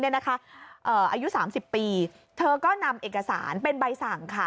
อายุ๓๐ปีเธอก็นำเอกสารเป็นใบสั่งค่ะ